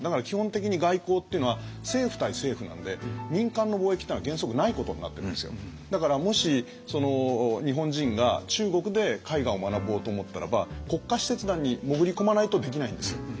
基本的に外交っていうのは政府対政府なんで民間の貿易っていうのは原則ないことになってるんですよ。だからもし日本人が中国で絵画を学ぼうと思ったらば国家使節団に潜り込まないとできないんですよ。